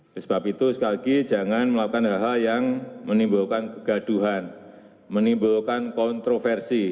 oleh sebab itu sekali lagi jangan melakukan hal hal yang menimbulkan kegaduhan menimbulkan kontroversi